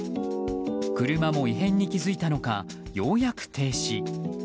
車も異変に気付いたのかようやく停止。